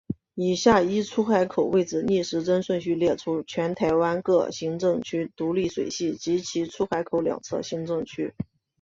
以下依出海口位置逆时针顺序列出全台湾各行政区独立水系及其出海口两侧行政区。